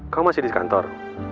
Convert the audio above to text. kau masih di kantor